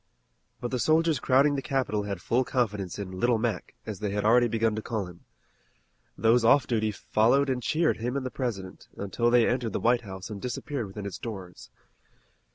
But the soldiers crowding the capital had full confidence in "Little Mac," as they had already begun to call him. Those off duty followed and cheered him and the President, until they entered the White House and disappeared within its doors.